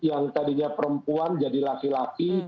yang tadinya perempuan jadi laki laki